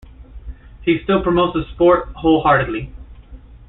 He still promotes the sport wholeheartedly.